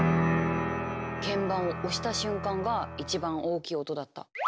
鍵盤を押した瞬間が一番大きい音だった。